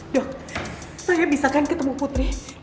dok saya bisa kan ketemu putri